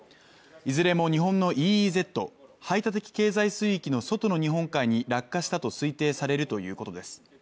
いずれも日本のＥＥＺ＝排他的経済水域の外の日本海に落下したと推定されるということです。